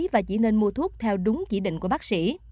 và chỉ nên mua thuốc theo đúng chỉ định của bác sĩ